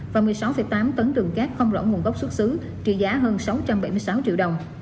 và một mươi sáu tám tấn đường cát không rõ nguồn gốc xuất xứ trị giá hơn sáu trăm bảy mươi sáu triệu đồng